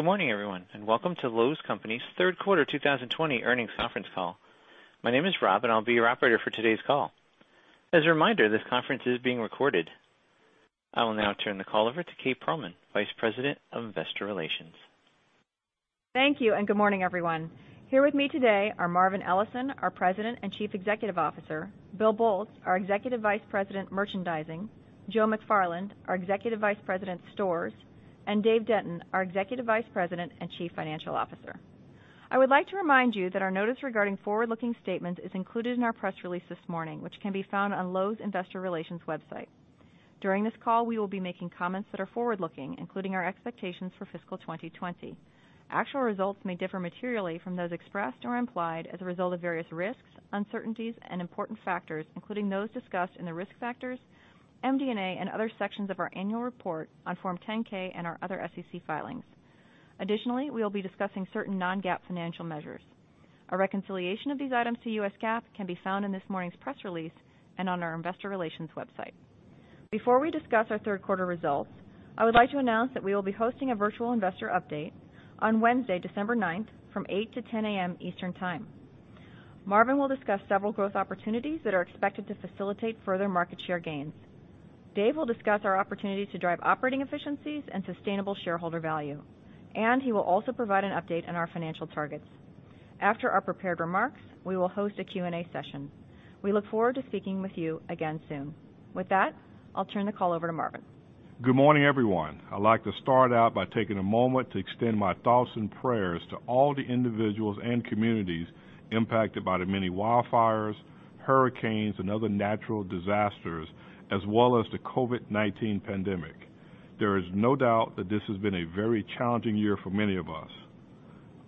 Good morning, everyone, and welcome to Lowe's Companies' third quarter 2020 earnings conference call. My name is Rob, and I'll be your operator for today's call. As a reminder, this conference is being recorded. I will now turn the call over to Kate Pearlman, Vice President of Investor Relations. Thank you, and good morning, everyone. Here with me today are Marvin Ellison, our President and Chief Executive Officer, Bill Boltz, our Executive Vice President, Merchandising, Joe McFarland, our Executive Vice President, Stores, and David Denton, our Executive Vice President and Chief Financial Officer. I would like to remind you that our notice regarding forward-looking statements is included in our press release this morning, which can be found on Lowe's Investor Relations website. During this call, we will be making comments that are forward-looking, including our expectations for fiscal 2020. Actual results may differ materially from those expressed or implied as a result of various risks, uncertainties and important factors, including those discussed in the Risk Factors, MD&A, and other sections of our annual report on Form 10-K and our other SEC filings. Additionally, we will be discussing certain non-GAAP financial measures. A reconciliation of these items to US GAAP can be found in this morning's press release and on our investor relations website. Before we discuss our third quarter results, I would like to announce that we will be hosting a virtual investor update on Wednesday, 9th December, from 8:00 to 10:00 a.m. Eastern Time. Marvin will discuss several growth opportunities that are expected to facilitate further market share gains. David will discuss our opportunities to drive operating efficiencies and sustainable shareholder value, and he will also provide an update on our financial targets. After our prepared remarks, we will host a Q&A session. We look forward to speaking with you again soon. With that, I'll turn the call over to Marvin. Good morning, everyone. I'd like to start out by taking a moment to extend my thoughts and prayers to all the individuals and communities impacted by the many wildfires, hurricanes and other natural disasters, as well as the COVID-19 pandemic. There is no doubt that this has been a very challenging year for many of us.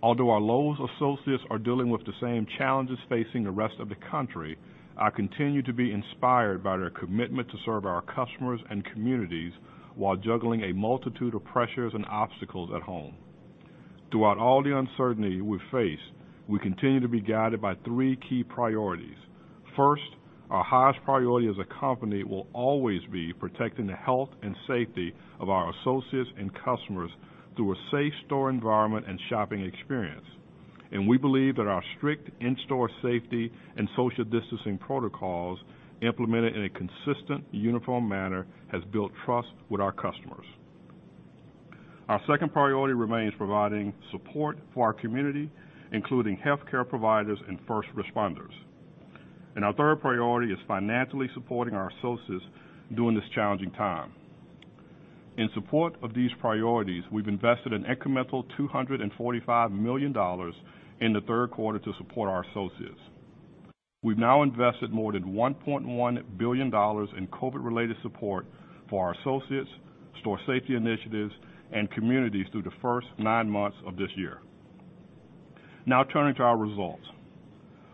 Although our Lowe's associates are dealing with the same challenges facing the rest of the country, I continue to be inspired by their commitment to serve our customers and communities while juggling a multitude of pressures and obstacles at home. Throughout all the uncertainty we face, we continue to be guided by three key priorities. First, our highest priority as a company will always be protecting the health and safety of our associates and customers through a safe store environment and shopping experience. We believe that our strict in-store safety and social distancing protocols, implemented in a consistent, uniform manner, has built trust with our customers. Our second priority remains providing support for our community, including healthcare providers and first responders. Our third priority is financially supporting our associates during this challenging time. In support of these priorities, we've invested an incremental $245 million in the third quarter to support our associates. We've now invested more than $1.1 billion in COVID-19-related support for our associates, store safety initiatives, and communities through the first nine months of this year. Turning to our results.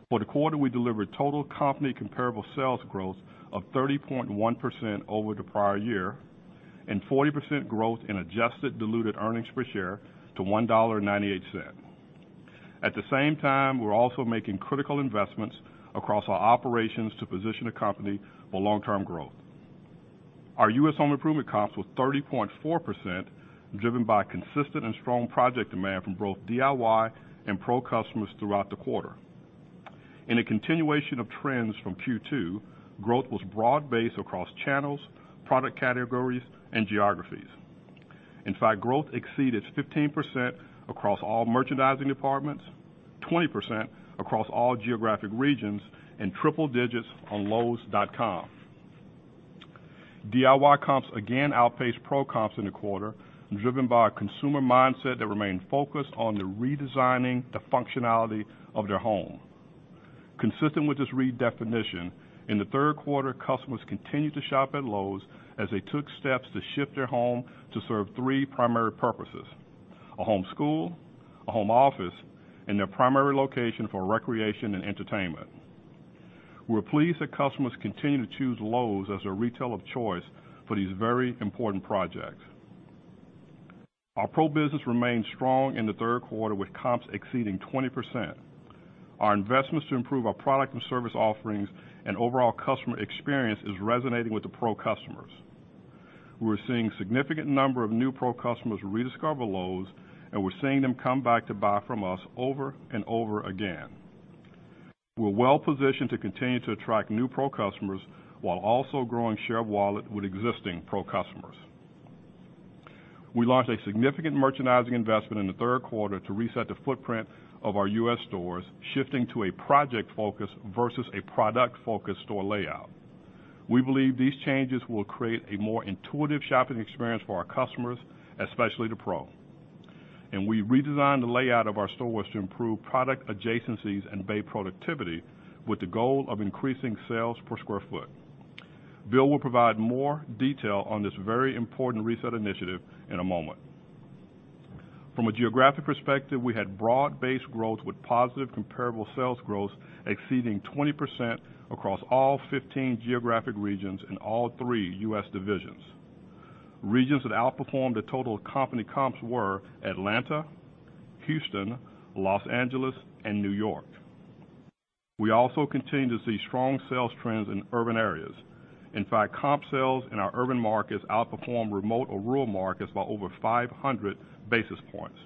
For the quarter, we delivered total company comparable sales growth of 30.1% over the prior year and 40% growth in adjusted diluted earnings per share to $1.98. At the same time, we're also making critical investments across our operations to position the company for long-term growth. Our U.S. home improvement comps were 30.4%, driven by consistent and strong project demand from both DIY and pro customers throughout the quarter. In a continuation of trends from Q2, growth was broad-based across channels, product categories, and geographies. In fact, growth exceeded 15% across all merchandising departments, 20% across all geographic regions, and triple digits on lowes.com. DIY comps again outpaced pro comps in the quarter, driven by a consumer mindset that remained focused on the redesigning the functionality of their home. Consistent with this redefinition, in the third quarter, customers continued to shop at Lowe's as they took steps to shift their home to serve three primary purposes: a home school, a home office, and their primary location for recreation and entertainment. We're pleased that customers continue to choose Lowe's as their retail of choice for these very important projects. Our pro business remained strong in the third quarter, with comps exceeding 20%. Our investments to improve our product and service offerings and overall customer experience is resonating with the pro customers. We're seeing significant number of new pro customers rediscover Lowe's, and we're seeing them come back to buy from us over and over again. We're well-positioned to continue to attract new pro customers while also growing share of wallet with existing pro customers. We launched a significant merchandising investment in the third quarter to reset the footprint of our U.S. stores, shifting to a project-focused versus a product-focused store layout. We believe these changes will create a more intuitive shopping experience for our customers, especially the pro. We redesigned the layout of our stores to improve product adjacencies and bay productivity with the goal of increasing sales per sq ft. Bill will provide more detail on this very important reset initiative in a moment. From a geographic perspective, we had broad-based growth with positive comparable sales growth exceeding 20% across all 15 geographic regions in all three U.S. divisions. Regions that outperformed the total company comps were Atlanta, Houston, Los Angeles and New York. We also continue to see strong sales trends in urban areas. In fact, comp sales in our urban markets outperform remote or rural markets by over 500 basis points.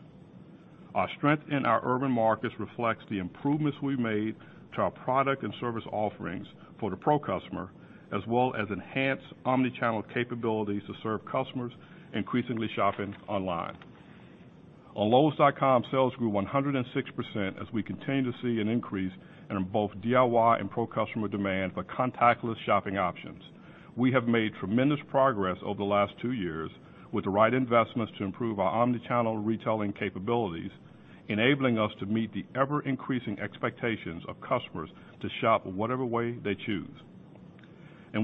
Our strength in our urban markets reflects the improvements we've made to our product and service offerings for the pro customer, as well as enhanced omni-channel capabilities to serve customers increasingly shopping online. On lowes.com, sales grew 106% as we continue to see an increase in both DIY and pro customer demand for contactless shopping options. We have made tremendous progress over the last two years with the right investments to improve our omni-channel retailing capabilities, enabling us to meet the ever-increasing expectations of customers to shop whatever way they choose.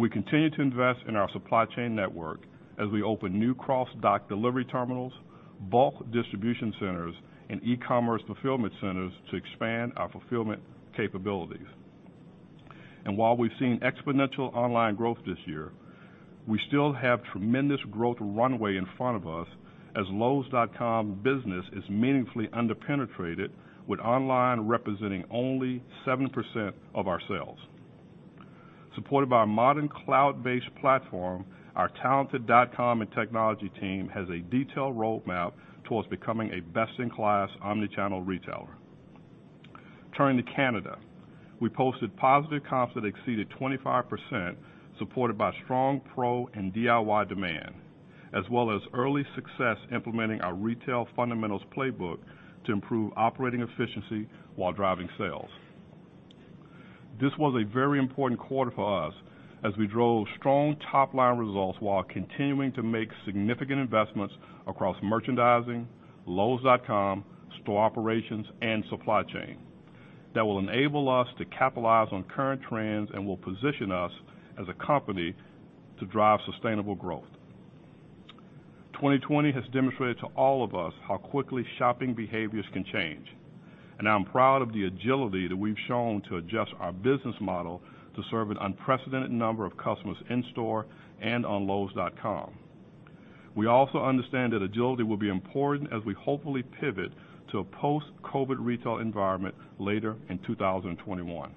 We continue to invest in our supply chain network as we open new cross-dock delivery terminals, bulk distribution centers, and e-commerce fulfillment centers to expand our fulfillment capabilities. While we've seen exponential online growth this year, we still have tremendous growth runway in front of us as Lowes.com business is meaningfully under-penetrated, with online representing only 7% of our sales. Supported by a modern cloud-based platform, our talented dot-com and technology team has a detailed roadmap towards becoming a best-in-class omni-channel retailer. Turning to Canada, we posted positive comps that exceeded 25%, supported by strong pro and DIY demand, as well as early success implementing our retail fundamentals playbook to improve operating efficiency while driving sales. This was a very important quarter for us as we drove strong top-line results while continuing to make significant investments across merchandising, lowes.com, store operations, and supply chain that will enable us to capitalize on current trends and will position us as a company to drive sustainable growth. 2020 has demonstrated to all of us how quickly shopping behaviors can change, and I'm proud of the agility that we've shown to adjust our business model to serve an unprecedented number of customers in-store and on lowes.com. We also understand that agility will be important as we hopefully pivot to a post-COVID-19 retail environment later in 2021.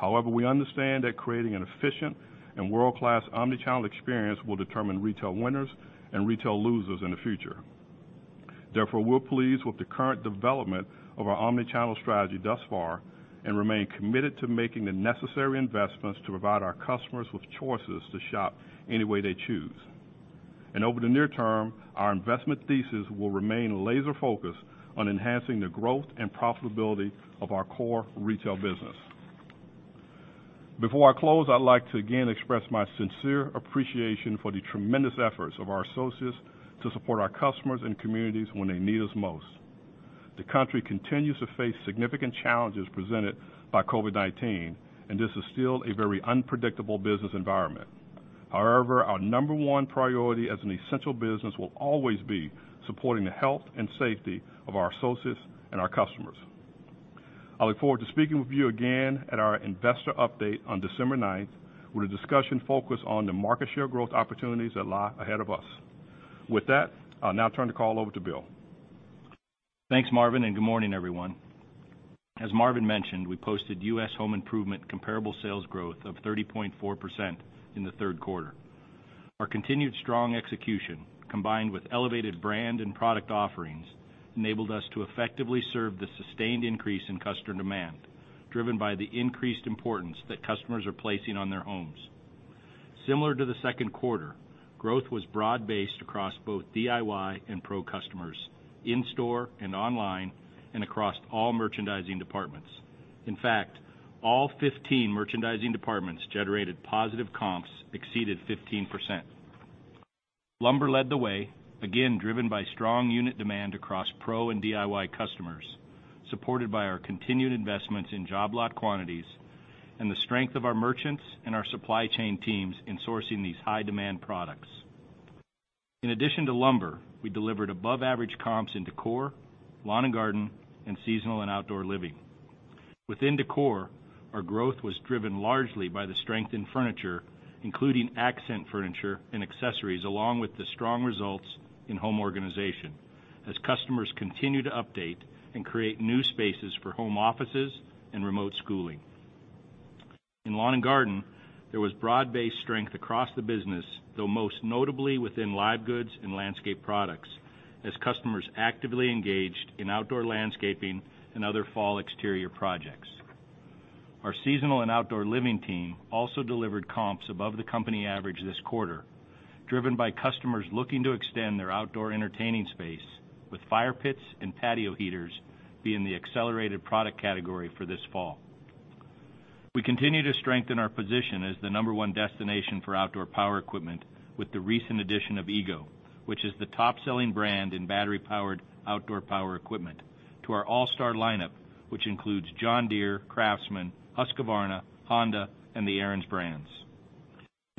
However, we understand that creating an efficient and world-class omni-channel experience will determine retail winners and retail losers in the future. Therefore, we're pleased with the current development of our omni-channel strategy thus far and remain committed to making the necessary investments to provide our customers with choices to shop any way they choose. Over the near term, our investment thesis will remain laser-focused on enhancing the growth and profitability of our core retail business. Before I close, I'd like to again express my sincere appreciation for the tremendous efforts of our associates to support our customers and communities when they need us most. The country continues to face significant challenges presented by COVID-19, and this is still a very unpredictable business environment. However, our number one priority as an essential business will always be supporting the health and safety of our associates and our customers. I look forward to speaking with you again at our investor update on 9th December, with a discussion focused on the market share growth opportunities that lie ahead of us. With that, I'll now turn the call over to Bill. Thanks, Marvin. Good morning, everyone. As Marvin mentioned, we posted U.S. home improvement comparable sales growth of 30.4% in the third quarter. Our continued strong execution, combined with elevated brand and product offerings, enabled us to effectively serve the sustained increase in customer demand, driven by the increased importance that customers are placing on their homes. Similar to the second quarter, growth was broad-based across both DIY and pro customers in store and online and across all merchandising departments. In fact, all 15 merchandising departments generated positive comps exceeded 15%. Lumber led the way, again driven by strong unit demand across pro and DIY customers, supported by our continued investments in job lot quantities and the strength of our merchants and our supply chain teams in sourcing these high-demand products. In addition to lumber, we delivered above-average comps in decor, lawn and garden, and seasonal and outdoor living. Within decor, our growth was driven largely by the strength in furniture, including accent furniture and accessories, along with the strong results in home organization, as customers continue to update and create new spaces for home offices and remote schooling. In lawn and garden, there was broad-based strength across the business, though most notably within live goods and landscape products, as customers actively engaged in outdoor landscaping and other fall exterior projects. Our seasonal and outdoor living team also delivered comps above the company average this quarter, driven by customers looking to extend their outdoor entertaining space with fire pits and patio heaters being the accelerated product category for this fall. We continue to strengthen our position as the number one destination for outdoor power equipment with the recent addition of EGO, which is the top-selling brand in battery-powered outdoor power equipment, to our all-star lineup, which includes John Deere, Craftsman, Husqvarna, Honda, and the Ariens brands.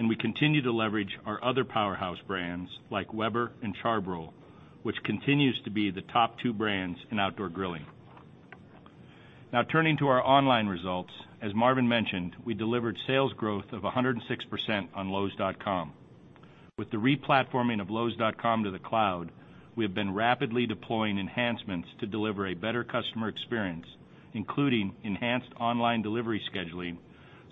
We continue to leverage our other powerhouse brands like Weber and Char-Broil, which continues to be the top two brands in outdoor grilling. Now turning to our online results, as Marvin mentioned, we delivered sales growth of 106% on lowes.com. With the re-platforming of lowes.com to the cloud, we have been rapidly deploying enhancements to deliver a better customer experience, including enhanced online delivery scheduling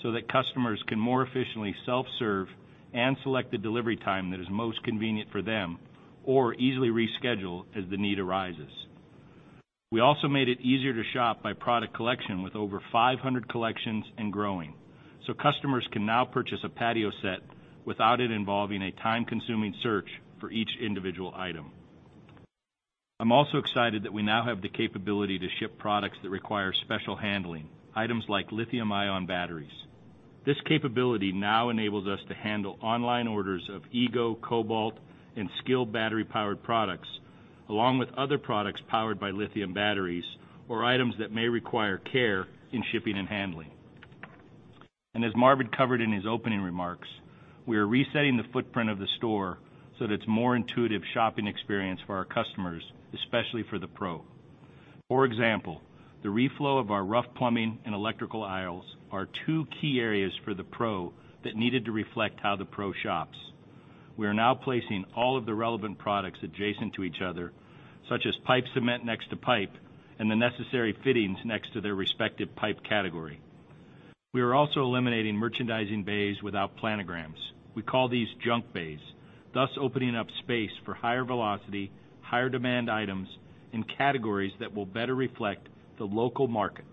so that customers can more efficiently self-serve and select the delivery time that is most convenient for them, or easily reschedule as the need arises. We also made it easier to shop by product collection with over 500 collections and growing. Customers can now purchase a patio set without it involving a time-consuming search for each individual item. I'm also excited that we now have the capability to ship products that require special handling, items like lithium-ion batteries. This capability now enables us to handle online orders of EGO, Kobalt, and SKIL battery-powered products, along with other products powered by lithium batteries, or items that may require care in shipping and handling. As Marvin covered in his opening remarks, we are resetting the footprint of the store so that it's a more intuitive shopping experience for our customers, especially for the pro. For example, the reflow of our rough plumbing and electrical aisles are two key areas for the pro that needed to reflect how the pro shops. We are now placing all of the relevant products adjacent to each other, such as pipe cement next to pipe, and the necessary fittings next to their respective pipe category. We are also eliminating merchandising bays without planograms, we call these junk bays, thus opening up space for higher velocity, higher demand items in categories that will better reflect the local market.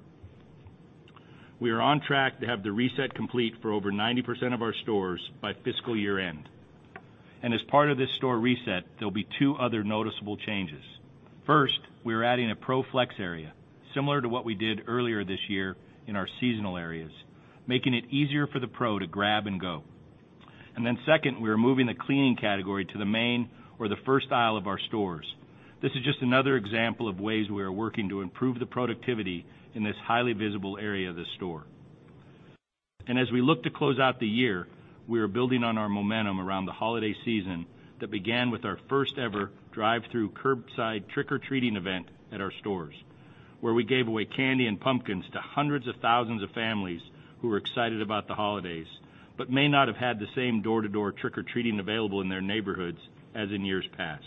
We are on track to have the reset complete for over 90% of our stores by fiscal year-end. As part of this store reset, there will be two other noticeable changes. First, we are adding a Pro Flex area, similar to what we did earlier this year in our seasonal areas, making it easier for the pro to grab and go. Second, we are moving the cleaning category to the main or the first aisle of our stores. This is just another example of ways we are working to improve the productivity in this highly visible area of the store. As we look to close out the year, we are building on our momentum around the holiday season that began with our first-ever drive-through curbside trick-or-treating event at our stores, where we gave away candy and pumpkins to hundreds of thousands of families who were excited about the holidays, but may not have had the same door-to-door trick-or-treating available in their neighborhoods as in years past.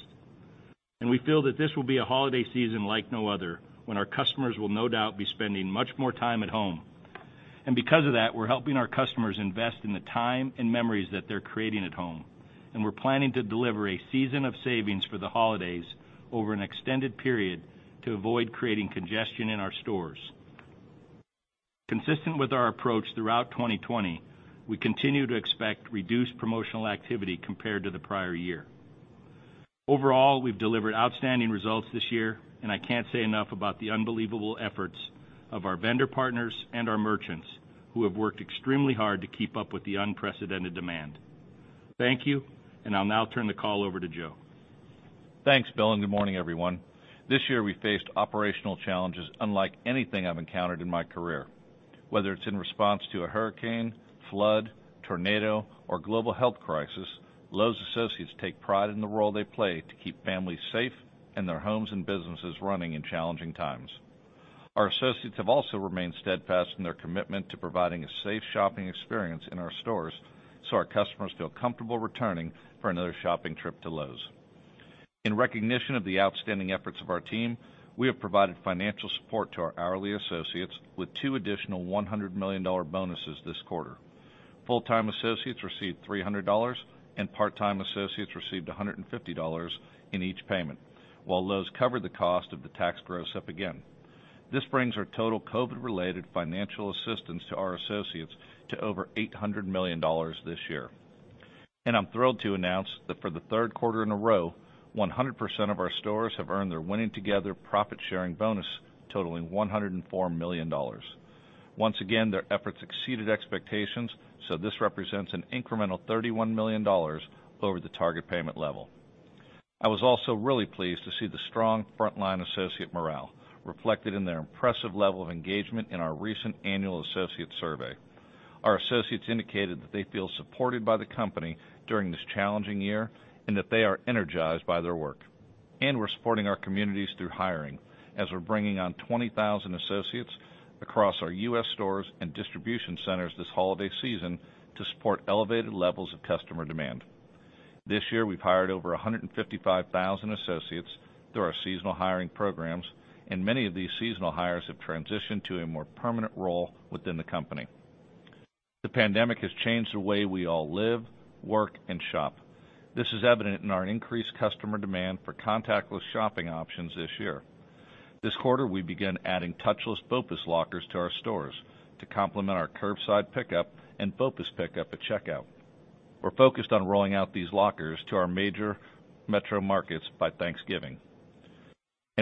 We feel that this will be a holiday season like no other when our customers will no doubt be spending much more time at home. Because of that, we're helping our customers invest in the time and memories that they're creating at home. We're planning to deliver a season of savings for the holidays over an extended period to avoid creating congestion in our stores. Consistent with our approach throughout 2020, we continue to expect reduced promotional activity compared to the prior year. Overall, we've delivered outstanding results this year, and I can't say enough about the unbelievable efforts of our vendor partners and our merchants who have worked extremely hard to keep up with the unprecedented demand. Thank you. I'll now turn the call over to Joe. Thanks, Bill. Good morning, everyone. This year, we faced operational challenges unlike anything I've encountered in my career. Whether it's in response to a hurricane, flood, tornado, or global health crisis, Lowe's associates take pride in the role they play to keep families safe and their homes and businesses running in challenging times. Our associates have also remained steadfast in their commitment to providing a safe shopping experience in our stores so our customers feel comfortable returning for another shopping trip to Lowe's. In recognition of the outstanding efforts of our team, we have provided financial support to our hourly associates with two additional $100 million bonuses this quarter. Full-time associates received $300 and part-time associates received $150 in each payment. While Lowe's covered the cost of the tax gross up again. This brings our total COVID-related financial assistance to our associates to over $800 million this year. I'm thrilled to announce that for the third quarter in a row, 100% of our stores have earned their Winning Together profit-sharing bonus, totaling $104 million. Once again, their efforts exceeded expectations, so this represents an incremental $31 million over the target payment level. I was also really pleased to see the strong frontline associate morale reflected in their impressive level of engagement in our recent annual associate survey. Our associates indicated that they feel supported by the company during this challenging year, and that they are energized by their work. We're supporting our communities through hiring, as we're bringing on 20,000 associates across our U.S. stores and distribution centers this holiday season to support elevated levels of customer demand. This year, we've hired over 155,000 associates through our seasonal hiring programs, and many of these seasonal hires have transitioned to a more permanent role within the company. The pandemic has changed the way we all live, work, and shop. This is evident in our increased customer demand for contactless shopping options this year. This quarter, we began adding touchless BOPUS lockers to our stores to complement our curbside pickup and BOPUS pickup at checkout. We're focused on rolling out these lockers to our major metro markets by Thanksgiving.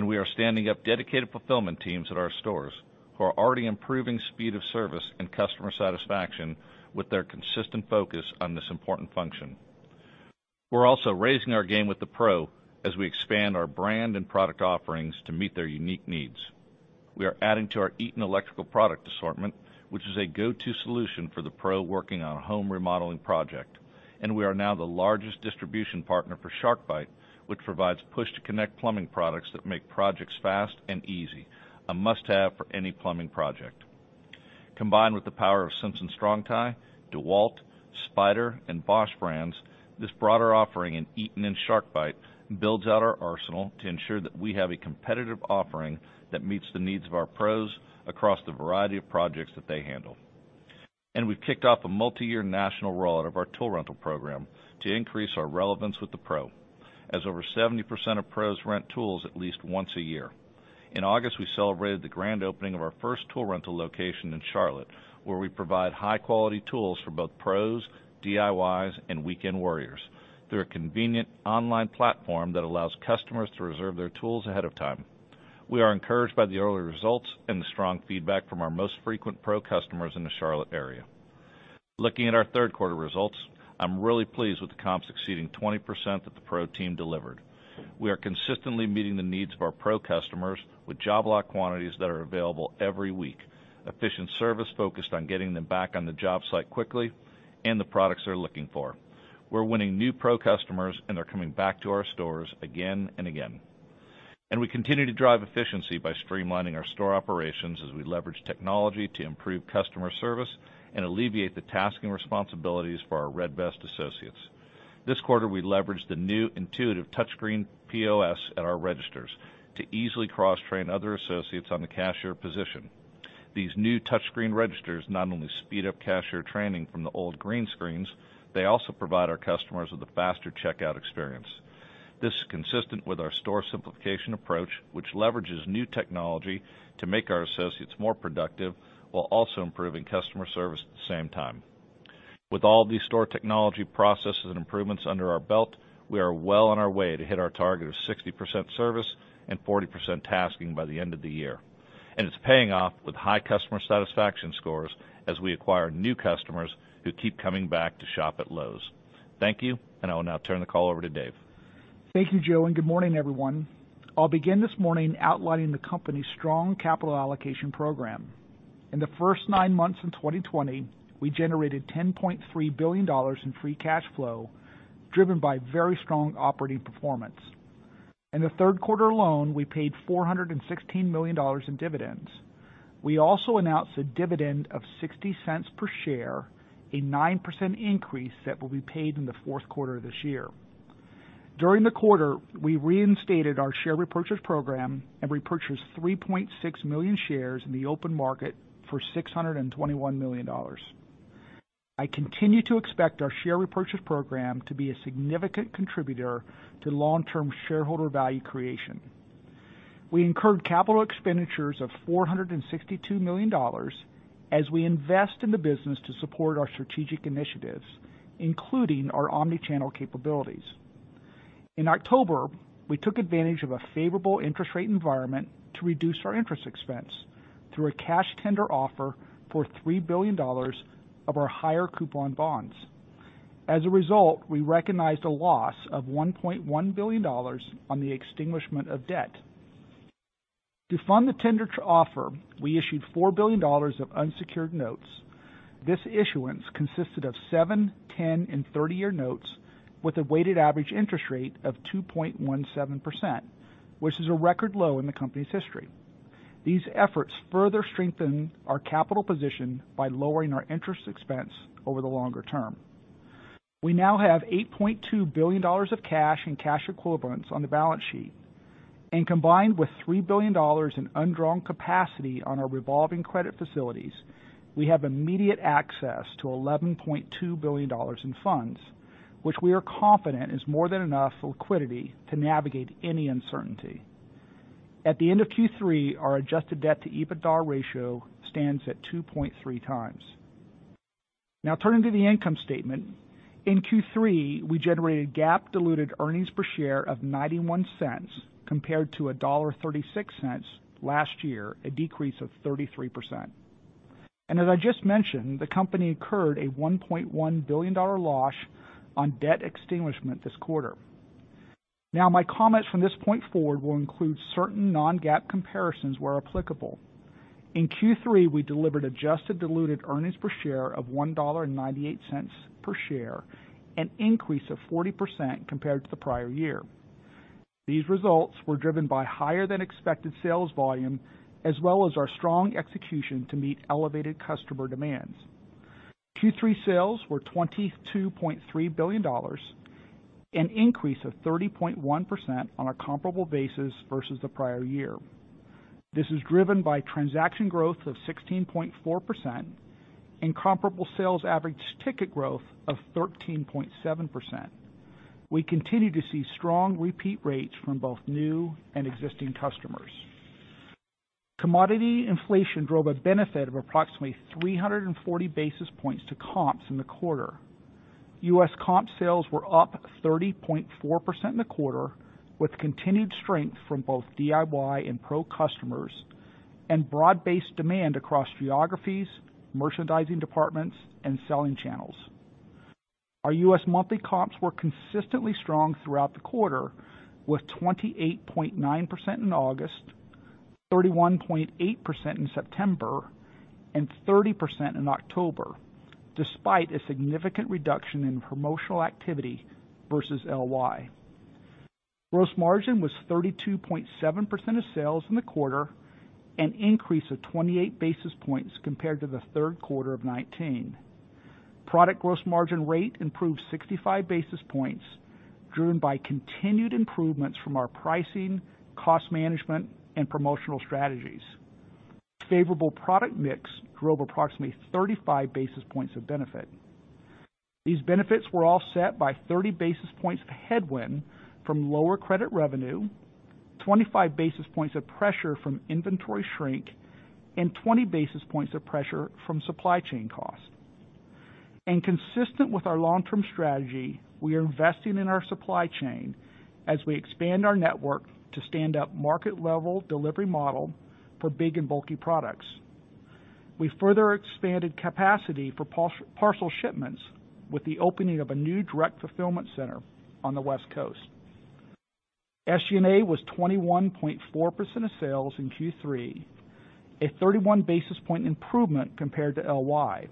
We are standing up dedicated fulfillment teams at our stores who are already improving speed of service and customer satisfaction with their consistent focus on this important function. We're also raising our game with the pro as we expand our brand and product offerings to meet their unique needs. We are adding to our Eaton electrical product assortment, which is a go-to solution for the pro working on a home remodeling project. We are now the largest distribution partner for SharkBite, which provides push-to-connect plumbing products that make projects fast and easy, a must-have for any plumbing project. Combined with the power of Simpson Strong-Tie, DeWalt, Spyder, and Bosch brands, this broader offering in Eaton and SharkBite builds out our arsenal to ensure that we have a competitive offering that meets the needs of our pros across the variety of projects that they handle. We've kicked off a multi-year national rollout of our tool rental program to increase our relevance with the pro, as over 70% of pros rent tools at least once a year. In August, we celebrated the grand opening of our first tool rental location in Charlotte, where we provide high-quality tools for both pros, DIYs, and weekend warriors through a convenient online platform that allows customers to reserve their tools ahead of time. We are encouraged by the early results and the strong feedback from our most frequent pro customers in the Charlotte area. Looking at our third quarter results, I'm really pleased with the comps exceeding 20% that the pro team delivered. We are consistently meeting the needs of our pro customers with job lot quantities that are available every week, efficient service focused on getting them back on the job site quickly, and the products they're looking for. We're winning new pro customers, they're coming back to our stores again and again. We continue to drive efficiency by streamlining our store operations as we leverage technology to improve customer service and alleviate the task and responsibilities for our Red Vest associates. This quarter, we leveraged the new intuitive touchscreen POS at our registers to easily cross-train other associates on the cashier position. These new touchscreen registers not only speed up cashier training from the old green screens, they also provide our customers with a faster checkout experience. This is consistent with our store simplification approach, which leverages new technology to make our associates more productive while also improving customer service at the same time. With all of these store technology processes and improvements under our belt, we are well on our way to hit our target of 60% service and 40% tasking by the end of the year. It's paying off with high customer satisfaction scores as we acquire new customers who keep coming back to shop at Lowe's. Thank you, and I will now turn the call over to David. Thank you, Joe. Good morning, everyone. I'll begin this morning outlining the company's strong capital allocation program. In the first nine months in 2020, we generated $10.3 billion in free cash flow, driven by very strong operating performance. In the third quarter alone, we paid $416 million in dividends. We also announced a dividend of $0.60 per share, a 9% increase that will be paid in the fourth quarter of this year. During the quarter, we reinstated our share repurchase program and repurchased 3.6 million shares in the open market for $621 million. I continue to expect our share repurchase program to be a significant contributor to long-term shareholder value creation. We incurred capital expenditures of $462 million as we invest in the business to support our strategic initiatives, including our omni-channel capabilities. In October, we took advantage of a favorable interest rate environment to reduce our interest expense through a cash tender offer for $3 billion of our higher coupon bonds. As a result, we recognized a loss of $1.1 billion on the extinguishment of debt. To fund the tender offer, we issued $4 billion of unsecured notes. This issuance consisted of seven, 10, and 30-year notes with a weighted average interest rate of 2.17%, which is a record low in the company's history. These efforts further strengthen our capital position by lowering our interest expense over the longer term. We now have $8.2 billion of cash and cash equivalents on the balance sheet. Combined with $3 billion in undrawn capacity on our revolving credit facilities, we have immediate access to $11.2 billion in funds, which we are confident is more than enough liquidity to navigate any uncertainty. At the end of Q3, our adjusted debt to EBITDA ratio stands at 2.3 times. Turning to the income statement. In Q3, we generated GAAP diluted earnings per share of $0.91 compared to $1.36 last year, a decrease of 33%. As I just mentioned, the company incurred a $1.1 billion loss on debt extinguishment this quarter. My comments from this point forward will include certain non-GAAP comparisons where applicable. In Q3, we delivered adjusted diluted earnings per share of $1.98 per share, an increase of 40% compared to the prior year. These results were driven by higher than expected sales volume, as well as our strong execution to meet elevated customer demands. Q3 sales were $22.3 billion, an increase of 30.1% on a comparable basis versus the prior year. This is driven by transaction growth of 16.4% and comparable sales average ticket growth of 13.7%. We continue to see strong repeat rates from both new and existing customers. Commodity inflation drove a benefit of approximately 340 basis points to comps in the quarter. U.S. comp sales were up 30.4% in the quarter, with continued strength from both DIY and pro customers and broad-based demand across geographies, merchandising departments, and selling channels. Our U.S. monthly comps were consistently strong throughout the quarter, with 28.9% in August, 31.8% in September, and 30% in October, despite a significant reduction in promotional activity versus LY. Gross margin was 32.7% of sales in the quarter, an increase of 28 basis points compared to the third quarter of 2019. Product gross margin rate improved 65 basis points, driven by continued improvements from our pricing, cost management, and promotional strategies. Favorable product mix drove approximately 35 basis points of benefit. These benefits were offset by 30 basis points of headwind from lower credit revenue, 25 basis points of pressure from inventory shrink, and 20 basis points of pressure from supply chain cost. Consistent with our long-term strategy, we are investing in our supply chain as we expand our network to stand up market-level delivery model for big and bulky products. We further expanded capacity for parcel shipments with the opening of a new direct fulfillment center on the West Coast. SG&A was 21.4% of sales in Q3, a 31 basis point improvement compared to LY.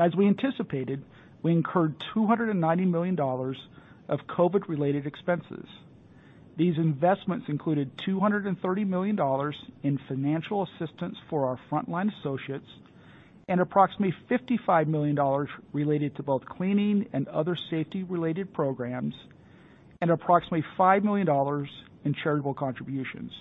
As we anticipated, we incurred $290 million of COVID-related expenses. These investments included $230 million in financial assistance for our frontline associates, and approximately $55 million related to both cleaning and other safety-related programs, and approximately $5 million in charitable contributions.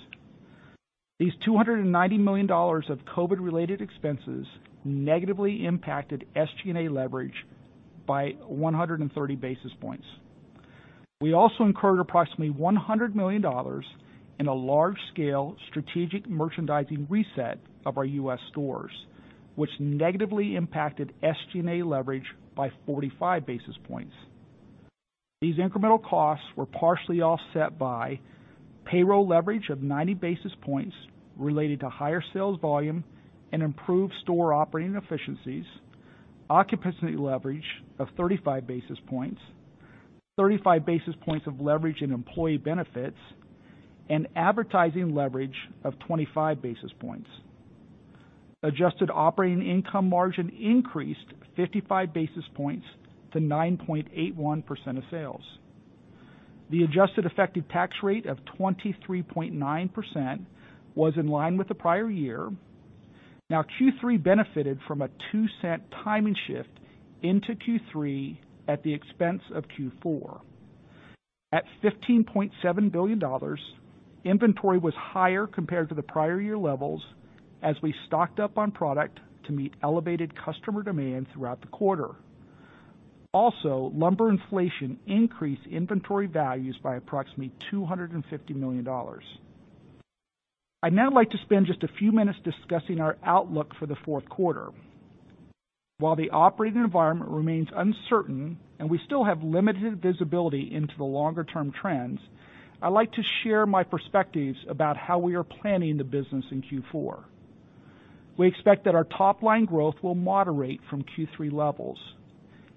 These $290 million of COVID-related expenses negatively impacted SG&A leverage by 130 basis points. We also incurred approximately $100 million in a large-scale strategic merchandising reset of our U.S. stores, which negatively impacted SG&A leverage by 45 basis points. These incremental costs were partially offset by payroll leverage of 90 basis points related to higher sales volume and improved store operating efficiencies, occupancy leverage of 35 basis points, 35 basis points of leverage in employee benefits, and advertising leverage of 25 basis points. Adjusted operating income margin increased 55 basis points to 9.81% of sales. The adjusted effective tax rate of 23.9% was in line with the prior year. Q3 benefited from a $0.02 timing shift into Q3 at the expense of Q4. At $15.7 billion, inventory was higher compared to the prior year levels as we stocked up on product to meet elevated customer demand throughout the quarter. Lumber inflation increased inventory values by approximately $250 million. I'd now like to spend just a few minutes discussing our outlook for the fourth quarter. While the operating environment remains uncertain and we still have limited visibility into the longer-term trends, I'd like to share my perspectives about how we are planning the business in Q4. We expect that our top-line growth will moderate from Q3 levels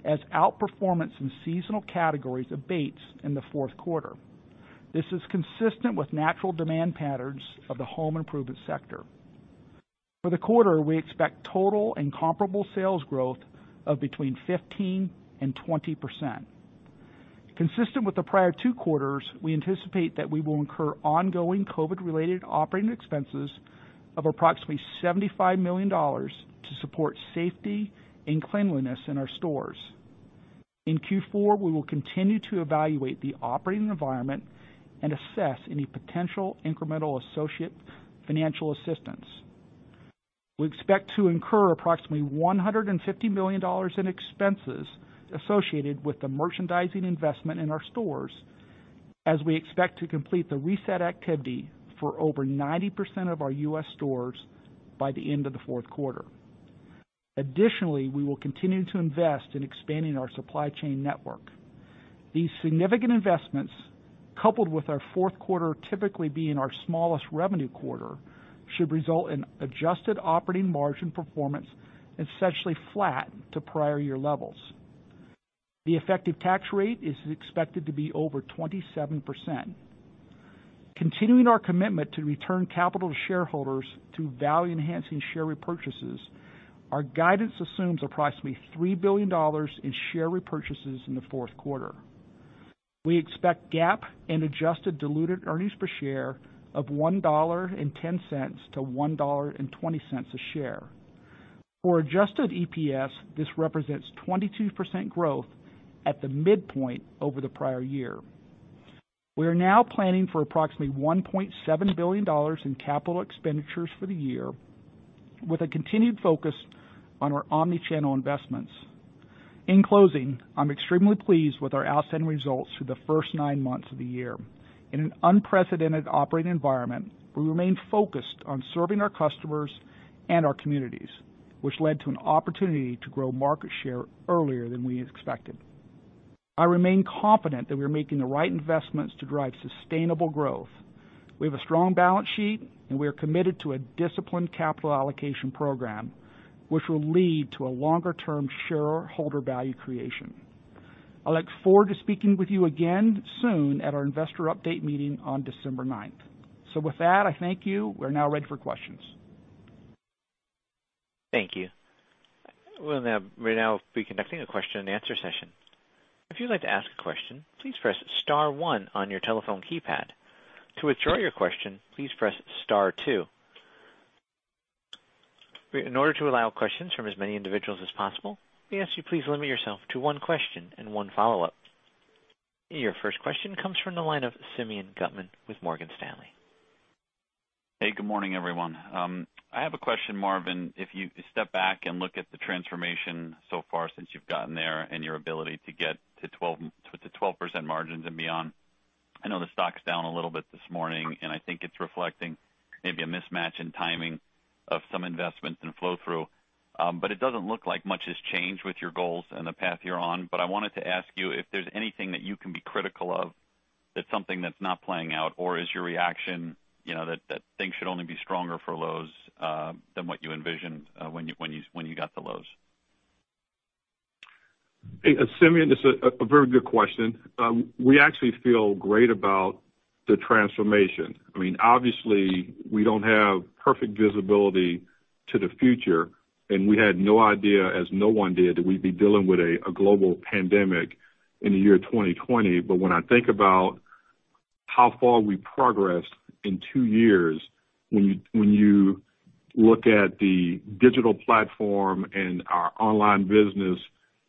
as outperformance in seasonal categories abates in the fourth quarter. This is consistent with natural demand patterns of the home improvement sector. For the quarter, we expect total and comparable sales growth of between 15% and 20%. Consistent with the prior two quarters, we anticipate that we will incur ongoing COVID-related operating expenses of approximately $75 million to support safety and cleanliness in our stores. In Q4, we will continue to evaluate the operating environment and assess any potential incremental associate financial assistance. We expect to incur approximately $150 million in expenses associated with the merchandising investment in our stores, as we expect to complete the reset activity for over 90% of our U.S. stores by the end of the fourth quarter. We will continue to invest in expanding our supply chain network. These significant investments, coupled with our fourth quarter typically being our smallest revenue quarter, should result in adjusted operating margin performance essentially flat to prior year levels. The effective tax rate is expected to be over 27%. Continuing our commitment to return capital to shareholders through value-enhancing share repurchases, our guidance assumes approximately $3 billion in share repurchases in the fourth quarter. We expect GAAP and adjusted diluted earnings per share of $1.10-$1.20 a share. For adjusted EPS, this represents 22% growth at the midpoint over the prior year. We are now planning for approximately $1.7 billion in capital expenditures for the year, with a continued focus on our omnichannel investments. In closing, I'm extremely pleased with our outstanding results through the first nine months of the year. In an unprecedented operating environment, we remain focused on serving our customers and our communities, which led to an opportunity to grow market share earlier than we expected. I remain confident that we are making the right investments to drive sustainable growth. We have a strong balance sheet, and we are committed to a disciplined capital allocation program, which will lead to a longer-term shareholder value creation. I look forward to speaking with you again soon at our investor update meeting on December 9th. With that, I thank you. We're now ready for questions. Thank you. We'll now be conducting a question and answer session. If you'd like to ask a question, please press star one on your telephone keypad. To withdraw your question, please press star two. In order to allow questions from as many individuals as possible, we ask you please limit yourself to one question and one follow-up. Your first question comes from the line of Simeon Gutman with Morgan Stanley. Hey, good morning, everyone. I have a question, Marvin. If you step back and look at the transformation so far since you've gotten there and your ability to get to 12% margins and beyond, I know the stock's down a little bit this morning, and I think it's reflecting maybe a mismatch in timing of some investments and flow-through. It doesn't look like much has changed with your goals and the path you're on. I wanted to ask you if there's anything that you can be critical of that's something that's not playing out, or is your reaction that things should only be stronger for Lowe's than what you envisioned when you got to Lowe's? Simeon, it's a very good question. We actually feel great about the transformation. Obviously, we don't have perfect visibility to the future, and we had no idea, as no one did, that we'd be dealing with a global pandemic in the year 2020. When I think about how far we progressed in two years, when you look at the digital platform and our online business,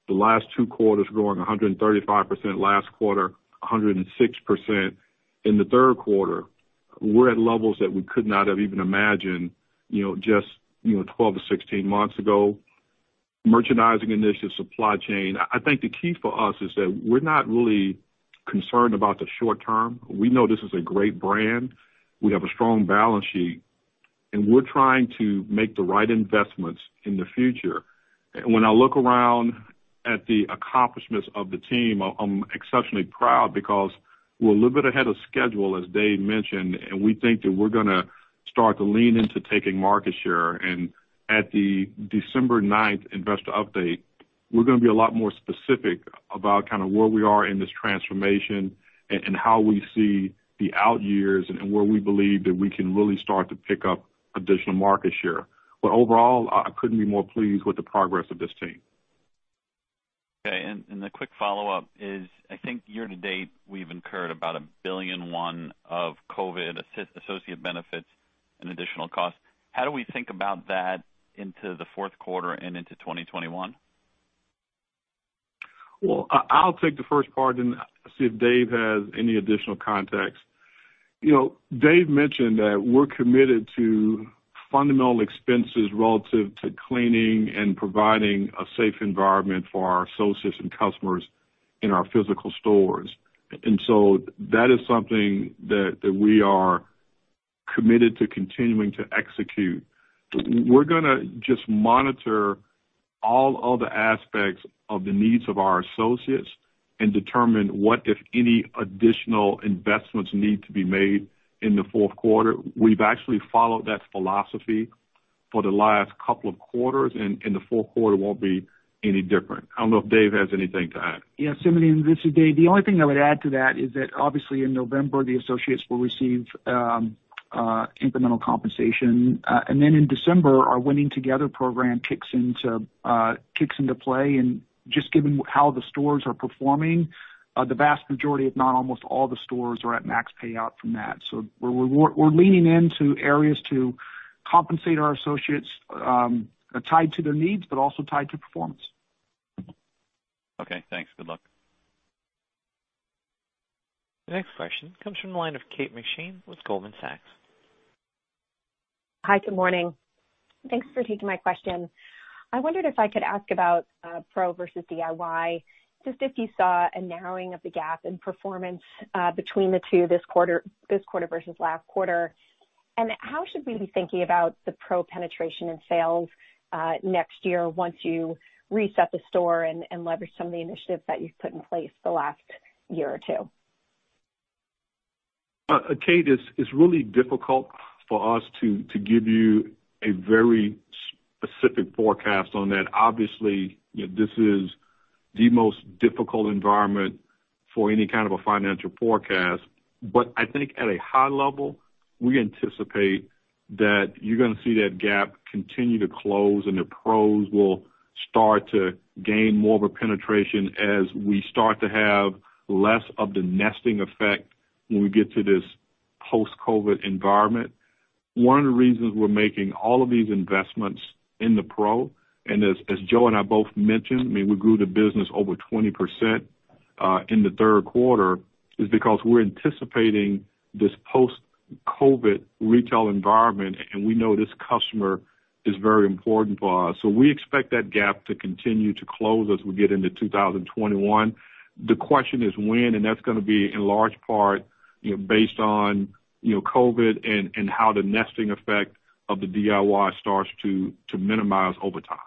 the last two quarters growing 135%, last quarter 106% in the third quarter. We're at levels that we could not have even imagined just 12-16 months ago. Merchandising initiatives, supply chain. I think the key for us is that we're not really concerned about the short term. We know this is a great brand. We have a strong balance sheet. We're trying to make the right investments in the future. When I look around at the accomplishments of the team, I'm exceptionally proud because we're a little bit ahead of schedule, as David mentioned, and we think that we're going to start to lean into taking market share. At the 9th December investor update, we're going to be a lot more specific about where we are in this transformation and how we see the out years and where we believe that we can really start to pick up additional market share. Overall, I couldn't be more pleased with the progress of this team. Okay, the quick follow-up is, I think year to date, we've incurred about $1.1 billion of COVID associate benefits and additional costs. How do we think about that into the fourth quarter and into 2021? Well, I'll take the first part and see if David has any additional context. David mentioned that we're committed to fundamental expenses relative to cleaning and providing a safe environment for our associates and customers in our physical stores. That is something that we are committed to continuing to execute. We're going to just monitor all other aspects of the needs of our associates and determine what, if any, additional investments need to be made in the fourth quarter. We've actually followed that philosophy for the last couple of quarters, and the fourth quarter won't be any different. I don't know if David has anything to add. Yeah, Simeon, this is David. The only thing I would add to that is that obviously in November, the associates will receive incremental compensation. Then in December, our Winning Together program kicks into play. Just given how the stores are performing, the vast majority, if not almost all the stores, are at max payout from that. We're leaning into areas to compensate our associates, tied to their needs, but also tied to performance. Okay, thanks. Good luck. The next question comes from the line of Kate McShane with Goldman Sachs. Hi. Good morning. Thanks for taking my question. I wondered if I could ask about Pro versus DIY, just if you saw a narrowing of the gap in performance between the two this quarter versus last quarter. How should we be thinking about the Pro penetration and sales next year once you reset the store and leverage some of the initiatives that you've put in place the last year or two? Kate, it's really difficult for us to give you a very specific forecast on that. Obviously, this is the most difficult environment for any kind of a financial forecast. I think at a high level, we anticipate that you're going to see that gap continue to close and the Pros will start to gain more of a penetration as we start to have less of the nesting effect when we get to this post-COVID-19 environment. One of the reasons we're making all of these investments in the Pro, and as Joe and I both mentioned, we grew the business over 20% in the third quarter, is because we're anticipating this post-COVID-19 retail environment, and we know this customer is very important for us. We expect that gap to continue to close as we get into 2021. The question is when, and that's going to be in large part based on COVID and how the nesting effect of the DIY starts to minimize over time.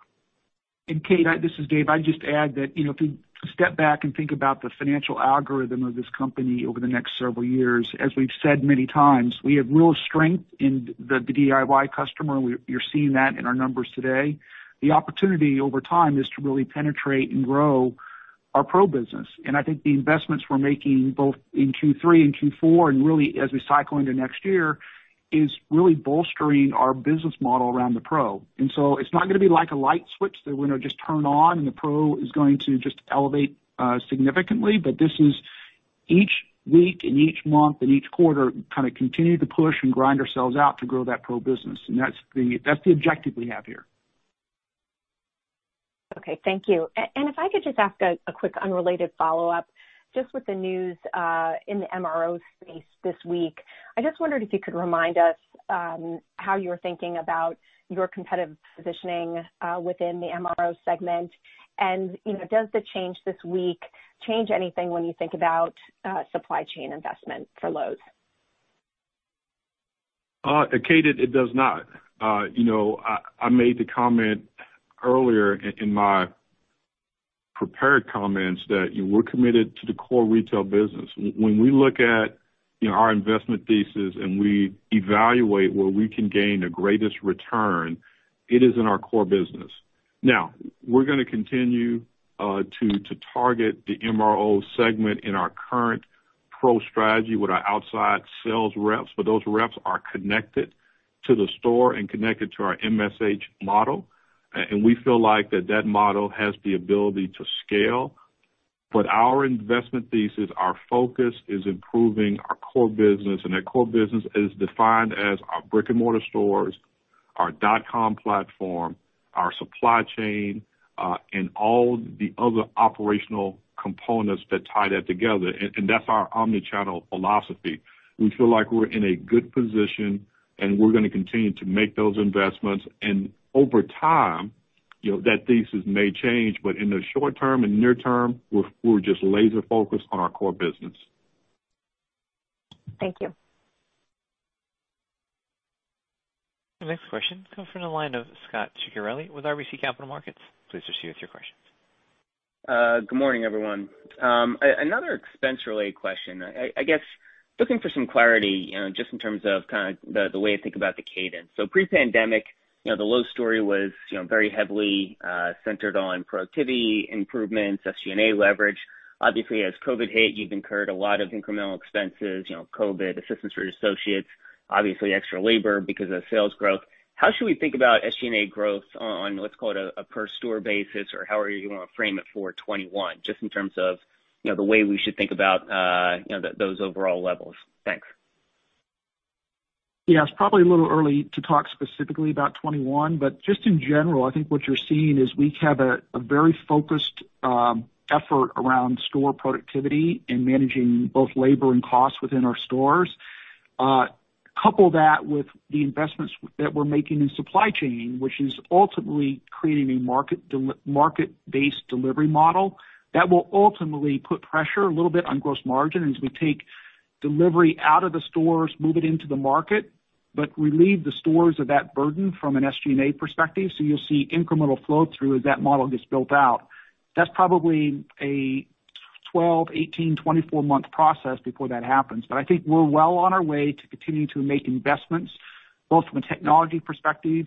Kate, this is David. I'd just add that, if you step back and think about the financial algorithm of this company over the next several years, as we've said many times, we have real strength in the DIY customer. You're seeing that in our numbers today. The opportunity over time is to really penetrate and grow our pro business, I think the investments we're making both in Q3 and Q4, and really as we cycle into next year, is really bolstering our business model around the pro. It's not going to be like a light switch that we're going to just turn on and the pro is going to just elevate significantly. This is each week and each month and each quarter, kind of continue to push and grind ourselves out to grow that pro business. That's the objective we have here. Okay. Thank you. If I could just ask a quick unrelated follow-up, just with the news in the MRO space this week. I just wondered if you could remind us, how you're thinking about your competitive positioning, within the MRO segment. Does the change this week change anything when you think about supply chain investment for Lowe's? Kate, it does not. I made the comment earlier in my prepared comments that we're committed to the core retail business. When we look at our investment thesis and we evaluate where we can gain the greatest return, it is in our core business. We're going to continue to target the MRO segment in our current pro strategy with our outside sales reps, those reps are connected to the store and connected to our MSH model. We feel like that model has the ability to scale. Our investment thesis, our focus is improving our core business. That core business is defined as our brick and mortar stores, our dotcom platform, our supply chain, and all the other operational components that tie that together, and that's our omni-channel philosophy. We feel like we're in a good position, we're going to continue to make those investments. Over time, that thesis may change, but in the short term and near term, we're just laser focused on our core business. Thank you. The next question comes from the line of Scot Ciccarelli with Truist Securities. Please proceed with your questions. Good morning, everyone. Another expense related question. I guess looking for some clarity, just in terms of the way I think about the cadence. Pre-pandemic, the Lowe's story was very heavily centered on productivity improvements, SG&A leverage. Obviously, as COVID hit, you've incurred a lot of incremental expenses, COVID assistance for your associates, obviously extra labor because of sales growth. How should we think about SG&A growth on what's called a per store basis, or however you want to frame it for 2021, just in terms of the way we should think about those overall levels? Thanks. It's probably a little early to talk specifically about 2021. Just in general, I think what you're seeing is we have a very focused effort around store productivity and managing both labor and cost within our stores. We couple that with the investments that we're making in supply chain, which is ultimately creating a market-based delivery model that will ultimately put pressure a little bit on gross margin as we take delivery out of the stores, move it into the market, but relieve the stores of that burden from an SG&A perspective. You'll see incremental flow through as that model gets built out. That's probably a 12, 18, 24 month process before that happens. I think we're well on our way to continue to make investments, both from a technology perspective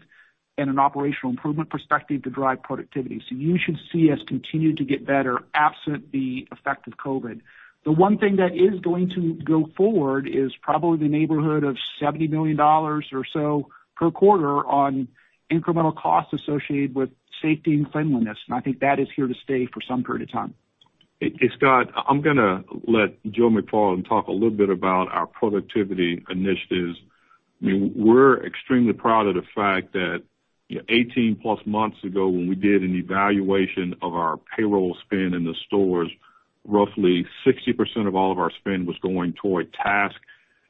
and an operational improvement perspective to drive productivity. You should see us continue to get better absent the effect of COVID. The one thing that is going to go forward is probably in the neighborhood of $70 million or so per quarter on incremental costs associated with safety and cleanliness, and I think that is here to stay for some period of time. Hey, Scot, I'm going to let Joe McFarland talk a little bit about our productivity initiatives. We're extremely proud of the fact that 18+ months ago, when we did an evaluation of our payroll spend in the stores, roughly 60% of all of our spend was going toward task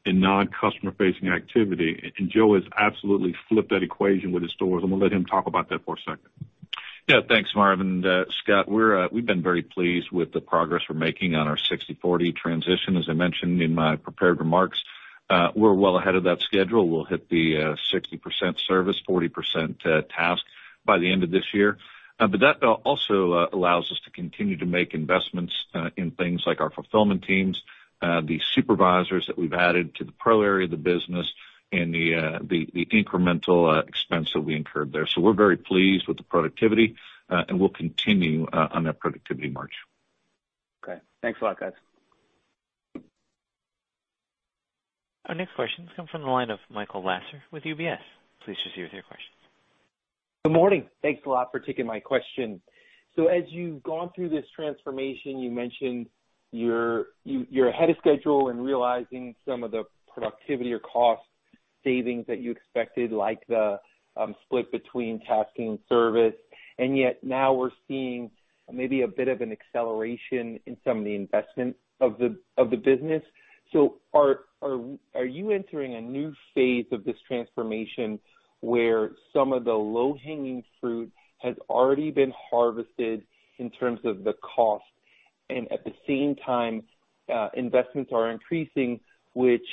and non-customer facing activity. Joe has absolutely flipped that equation with his stores, and we'll let him talk about that for a second. Yeah, thanks, Marvin. Scot, we've been very pleased with the progress we're making on our 60/40 transition. As I mentioned in my prepared remarks, we're well ahead of that schedule. We'll hit the 60% service, 40% task by the end of this year. That also allows us to continue to make investments in things like our fulfillment teams, the supervisors that we've added to the pro area of the business, and the incremental expense that we incurred there. We're very pleased with the productivity, and we'll continue on that productivity march. Okay. Thanks a lot, guys. Our next question comes from the line of Michael Lasser with UBS. Please proceed with your question. Good morning. Thanks a lot for taking my question. As you've gone through this transformation, you mentioned you're ahead of schedule in realizing some of the productivity or cost savings that you expected, like the split between tasking and service. Yet now we're seeing maybe a bit of an acceleration in some of the investments of the business. Are you entering a new phase of this transformation where some of the low hanging fruit has already been harvested in terms of the cost and at the same time, investments are increasing, which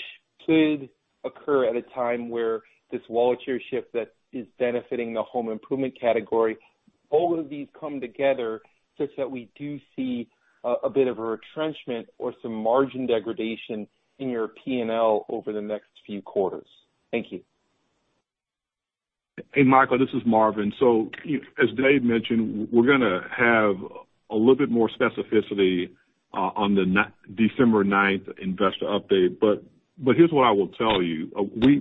could occur at a time where this wallet share shift that is benefiting the home improvement category, all of these come together such that we do see a bit of a retrenchment or some margin degradation in your P&L over the next few quarters? Thank you. Hey, Michael, this is Marvin. As David mentioned, we're going to have a little bit more specificity on the December ninth investor update. Here's what I will tell you.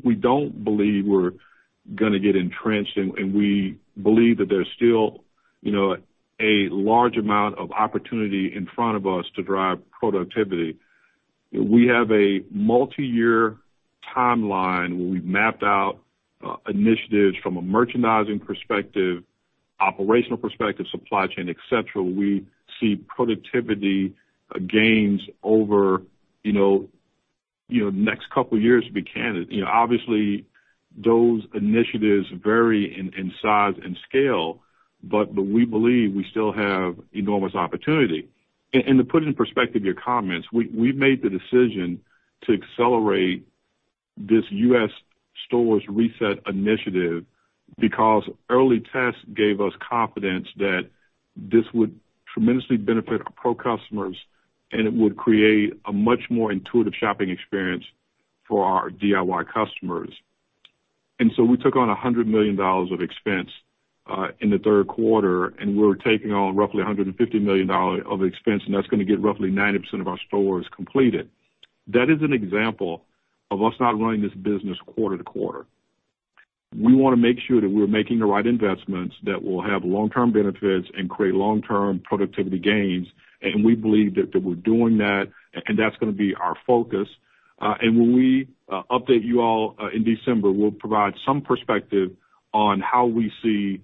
We don't believe we're going to get entrenched, and we believe that there's still a large amount of opportunity in front of us to drive productivity. We have a multi-year timeline where we've mapped out initiatives from a merchandising perspective, operational perspective, supply chain, et cetera. We see productivity gains over next couple years, to be candid. Obviously, those initiatives vary in size and scale, but we believe we still have enormous opportunity. To put it in perspective, your comments, we made the decision to accelerate this U.S. stores reset initiative because early tests gave us confidence that this would tremendously benefit our pro customers, and it would create a much more intuitive shopping experience for our DIY customers. We took on $100 million of expense in the third quarter, and we're taking on roughly $150 million of expense, and that's going to get roughly 90% of our stores completed. That is an example of us not running this business quarter to quarter. We want to make sure that we're making the right investments that will have long-term benefits and create long-term productivity gains. We believe that we're doing that, and that's going to be our focus. When we update you all in December, we'll provide some perspective on how we see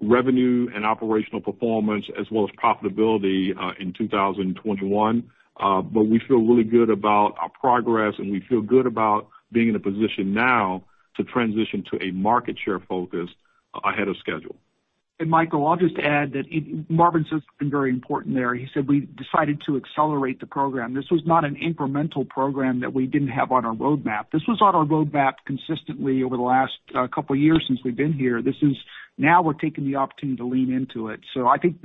revenue and operational performance as well as profitability in 2021. We feel really good about our progress, and we feel good about being in a position now to transition to a market share focus ahead of schedule. Michael, I'll just add that Marvin said something very important there. He said we decided to accelerate the program. This was not an incremental program that we didn't have on our roadmap. This was on our roadmap consistently over the last couple years since we've been here. Now we're taking the opportunity to lean into it. I think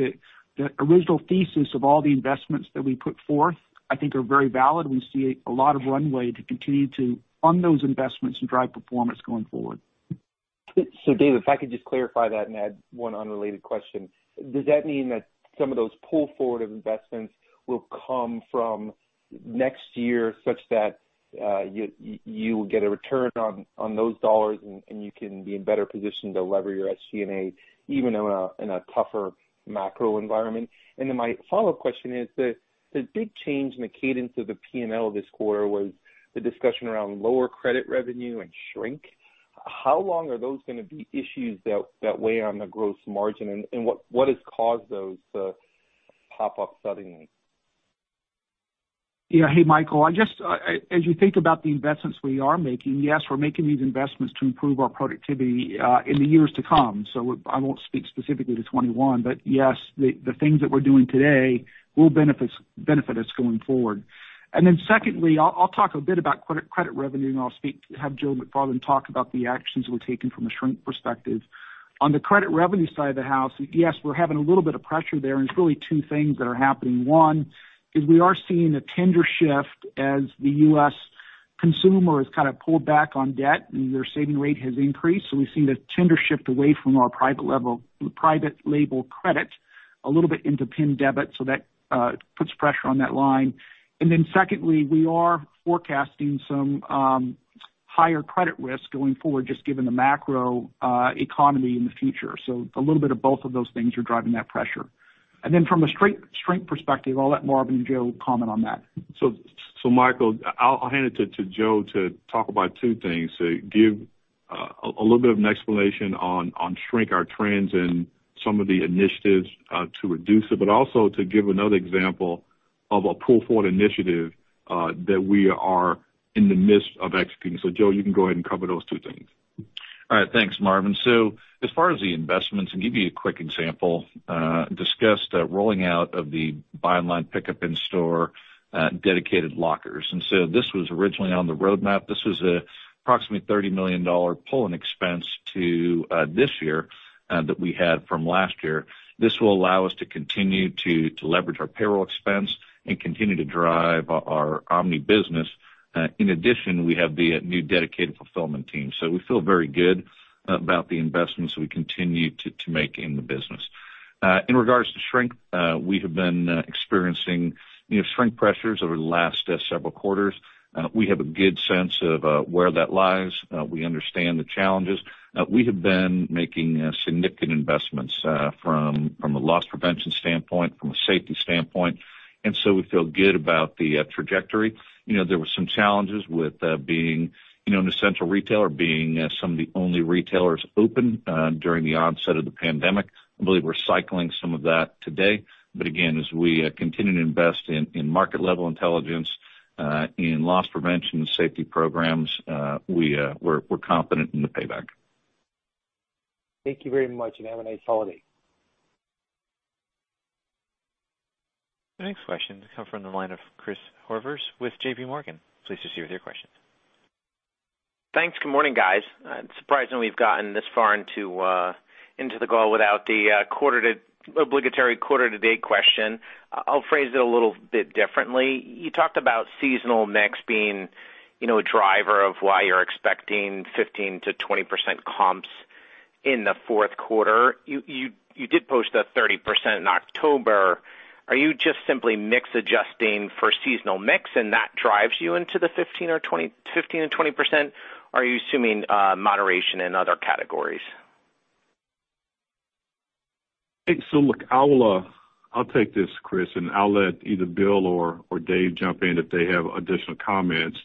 that the original thesis of all the investments that we put forth, I think, are very valid. We see a lot of runway to continue to fund those investments and drive performance going forward. David, if I could just clarify that and add one unrelated question. Does that mean that some of those pull-forward investments will come from next year, such that you will get a return on those dollars, and you can be in better position to lever your SG&A, even in a tougher macro environment? Then my follow-up question is, the big change in the cadence of the P&L this quarter was the discussion around lower credit revenue and shrink. How long are those going to be issues that weigh on the gross margin? What has caused those to pop up suddenly? Hey, Michael, as you think about the investments we are making, yes, we're making these investments to improve our productivity in the years to come. I won't speak specifically to 2021. Yes, the things that we're doing today will benefit us going forward. Secondly, I'll talk a bit about credit revenue, and I'll have Joe McFarland talk about the actions we're taking from a shrink perspective. On the credit revenue side of the house, yes, we're having a little bit of pressure there, and it's really two things that are happening. One is we are seeing a tender shift as the U.S. consumer has kind of pulled back on debt and their saving rate has increased. We've seen a tender shift away from our private label credit a little bit into PIN debit. That puts pressure on that line. Secondly, we are forecasting some higher credit risk going forward, just given the macro economy in the future. A little bit of both of those things are driving that pressure. From a shrink perspective, I'll let Marvin and Joe comment on that. Michael, I'll hand it to Joe to talk about two things, to give a little bit of an explanation on shrink, our trends, and some of the initiatives to reduce it, but also to give another example of a pull-forward initiative that we are in the midst of executing. Joe, you can go ahead and cover those two things. All right. Thanks, Marvin. As far as the investments, I'll give you a quick example. Discussed rolling out of the buy online, pickup in store dedicated lockers. This was originally on the roadmap. This was an approximately $30 million pull-in expense to this year that we had from last year. This will allow us to continue to leverage our payroll expense and continue to drive our omni business. In addition, we have the new dedicated fulfillment team. We feel very good about the investments we continue to make in the business. In regards to shrink, we have been experiencing shrink pressures over the last several quarters. We have a good sense of where that lies. We understand the challenges. We have been making significant investments from a loss prevention standpoint, from a safety standpoint, and so we feel good about the trajectory. There were some challenges with being an essential retailer, being some of the only retailers open during the onset of the pandemic. I believe we're cycling some of that today. Again, as we continue to invest in market level intelligence, in loss prevention and safety programs, we're confident in the payback. Thank you very much, and have a nice holiday. The next question comes from the line of Christopher Horvers with JPMorgan. Please proceed with your question. Thanks. Good morning, guys. It's surprising we've gotten this far into the call without the obligatory quarter to date question. I'll phrase it a little bit differently. You talked about seasonal mix being a driver of why you're expecting 15%-20% comps in the fourth quarter, you did post a 30% in October. Are you just simply mix adjusting for seasonal mix and that drives you into the 15% and 20%? Are you assuming moderation in other categories? Look, I'll take this, Christopher, and I'll let either Bill or David jump in if they have additional comments.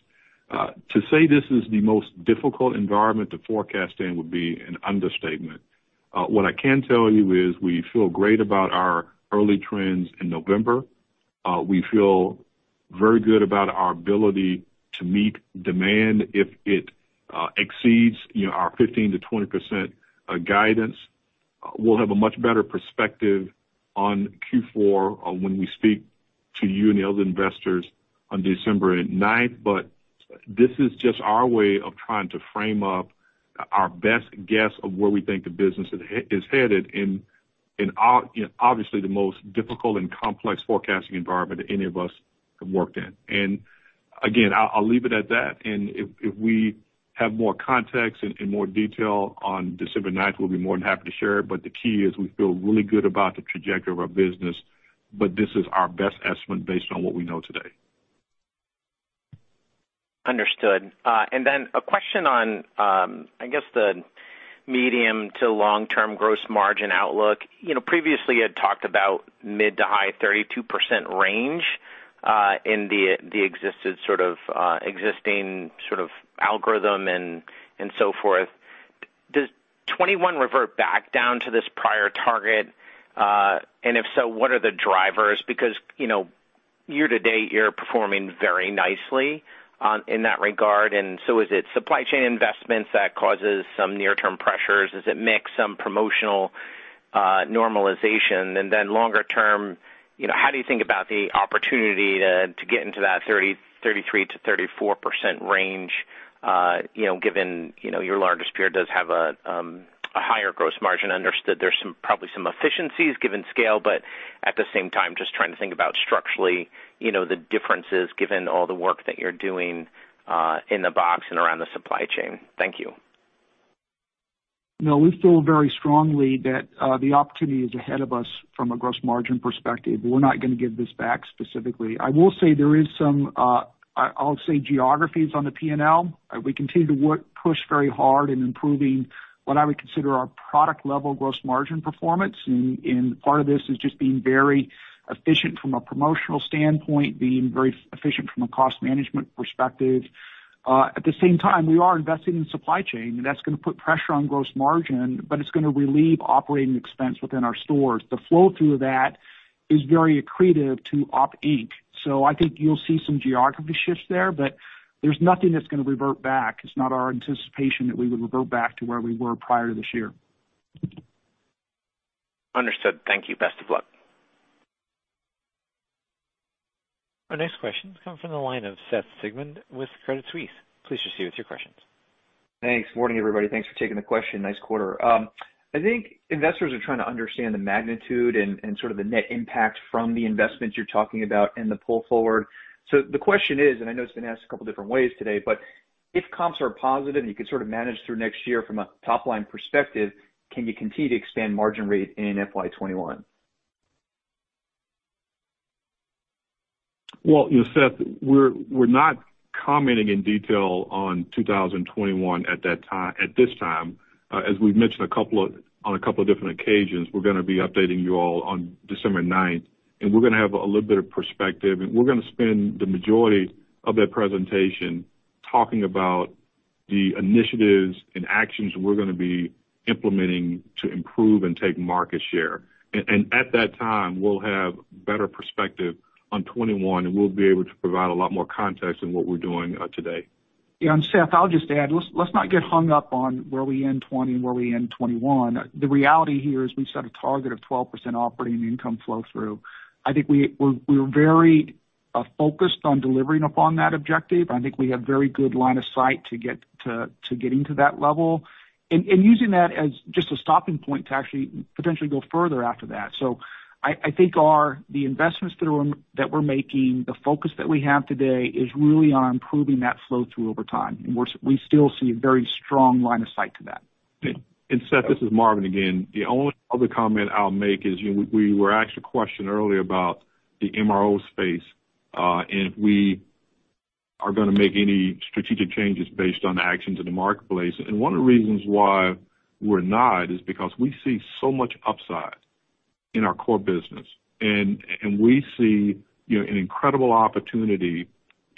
To say this is the most difficult environment to forecast in would be an understatement. What I can tell you is we feel great about our early trends in November. We feel very good about our ability to meet demand if it exceeds our 15%-20% guidance. We'll have a much better perspective on Q4 when we speak to you and the other investors on 9th December. This is just our way of trying to frame up our best guess of where we think the business is headed in obviously the most difficult and complex forecasting environment that any of us have worked in. Again, I'll leave it at that. If we have more context and more detail on December 9th, we'll be more than happy to share it. The key is we feel really good about the trajectory of our business, but this is our best estimate based on what we know today. Understood. Then a question on, I guess, the medium to long-term gross margin outlook. Previously, you had talked about mid-to-high 32% range in the existing sort of algorithm and so forth. Does 2021 revert back down to this prior target? If so, what are the drivers? Because year-to-date, you're performing very nicely in that regard. Is it supply chain investments that causes some near-term pressures? Is it mix, some promotional normalization? Longer-term, how do you think about the opportunity to get into that 33%-34% range given your largest peer does have a higher gross margin? Understood, there's probably some efficiencies given scale, but at the same time, just trying to think about structurally, the differences given all the work that you're doing in the box and around the supply chain. Thank you. No, we feel very strongly that the opportunity is ahead of us from a gross margin perspective. We're not going to give this back specifically. I will say there is some, I'll say, geographies on the P&L. We continue to push very hard in improving what I would consider our product level gross margin performance. Part of this is just being very efficient from a promotional standpoint, being very efficient from a cost management perspective. At the same time, we are investing in supply chain, and that's going to put pressure on gross margin, but it's going to relieve operating expense within our stores. The flow through of that is very accretive to OpInc. I think you'll see some geography shifts there, but there's nothing that's going to revert back. It's not our anticipation that we would revert back to where we were prior to this year. Understood. Thank you. Best of luck. Our next question comes from the line of Seth Sigman with Guggenheim Securities. Please proceed with your questions. Thanks. Morning, everybody. Thanks for taking the question. Nice quarter. I think investors are trying to understand the magnitude and sort of the net impact from the investments you're talking about and the pull forward. The question is, I know it's been asked a couple different ways today, if comps are positive and you can sort of manage through next year from a top line perspective, can you continue to expand margin rate in FY 2021? Well, Seth, we're not commenting in detail on 2021 at this time. As we've mentioned on a couple of different occasions, we're going to be updating you all on 9th December. We're going to have a little bit of perspective, and we're going to spend the majority of that presentation talking about the initiatives and actions we're going to be implementing to improve and take market share. At that time, we'll have better perspective on 2021, and we'll be able to provide a lot more context in what we're doing today. Seth, I'll just add, let's not get hung up on where we end 2020 and where we end 2021. The reality here is we've set a target of 12% operating income flow through. I think we're very focused on delivering upon that objective. I think we have very good line of sight to getting to that level. Using that as just a stopping point to actually potentially go further after that. I think the investments that we're making, the focus that we have today is really on improving that flow through over time. We still see a very strong line of sight to that. Seth, this is Marvin again. The only other comment I'll make is we were asked a question earlier about the MRO space, and if we are going to make any strategic changes based on the actions in the marketplace. One of the reasons why we're not is because we see so much upside in our core business. We see an incredible opportunity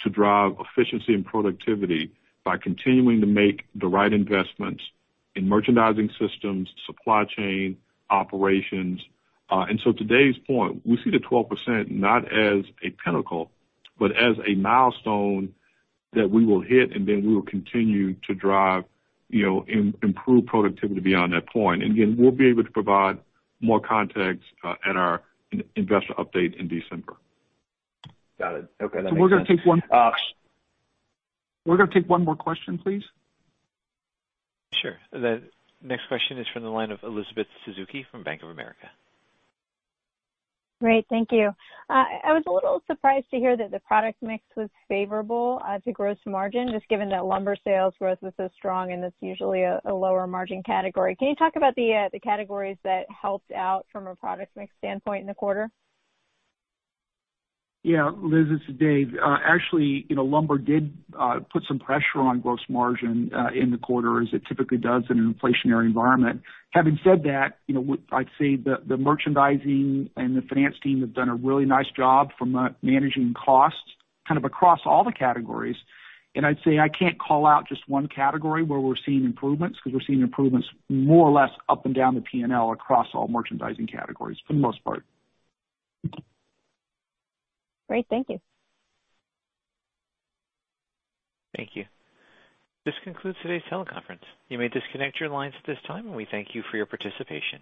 to drive efficiency and productivity by continuing to make the right investments in merchandising systems, supply chain, operations. To today's point, we see the 12% not as a pinnacle, but as a milestone that we will hit, and then we will continue to drive improved productivity beyond that point. Again, we'll be able to provide more context at our investor update in December. Got it. Okay, that makes sense. We're going to take one more question, please. Sure. The next question is from the line of Elizabeth Suzuki from Bank of America. Great. Thank you. I was a little surprised to hear that the product mix was favorable to gross margin, just given that lumber sales growth was so strong and it's usually a lower margin category. Can you talk about the categories that helped out from a product mix standpoint in the quarter? Yeah, Elizabeth, this is David. Actually, lumber did put some pressure on gross margin in the quarter as it typically does in an inflationary environment. Having said that, I'd say the merchandising and the finance team have done a really nice job from managing costs kind of across all the categories. I'd say I can't call out just one category where we're seeing improvements because we're seeing improvements more or less up and down the P&L across all merchandising categories for the most part. Great. Thank you. Thank you. This concludes today's teleconference. You may disconnect your lines at this time, and we thank you for your participation.